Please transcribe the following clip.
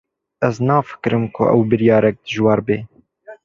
Ez nafikirim ku ew biryarek dijwar be.